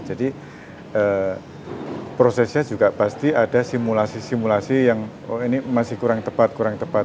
jadi prosesnya juga pasti ada simulasi simulasi yang oh ini masih kurang tepat kurang tepat